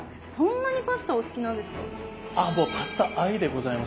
もうパスタ愛でございますねはい。